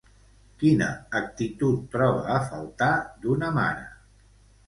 Quina actitud troba a faltar d'una mare?